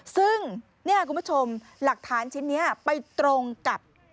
ซึ่งเนี่ยคุณผู้ชมหลักฐานชิ้นนี้ไปตรงกับ